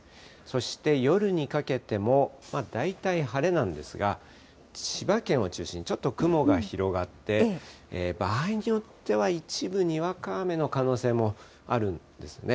そして、夜にかけても大体晴れなんですが、千葉県を中心に、ちょっと雲が広がって、場合によっては一部にわか雨の可能性もあるんですよね。